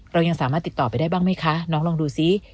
เรายังสามารถติดต่อไปได้บ้างไหมคะน้องลองดูซิ